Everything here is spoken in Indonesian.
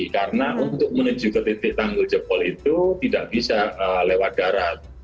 karena untuk menuju ke titik tangguh jebol itu tidak bisa lewat darat